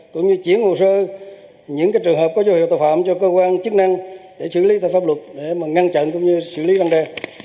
cũng như chuyển hồ sơ những trường hợp có dấu hiệu tội phạm cho cơ quan chức năng để xử lý theo pháp luật để mà ngăn chặn cũng như xử lý răng đe